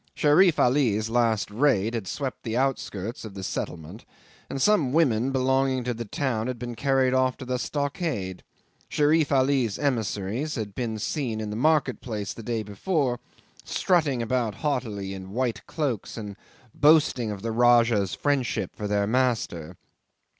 Sherif Ali's last raid had swept the outskirts of the settlement, and some women belonging to the town had been carried off to the stockade. Sherif Ali's emissaries had been seen in the market place the day before, strutting about haughtily in white cloaks, and boasting of the Rajah's friendship for their master.